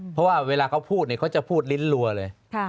เพราะว่าเวลาเขาพูดเขาจะพูดลิ้นรัวเลย